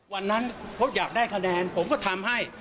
วันนั้นพบอยากได้คะแนนผมก็ทำให้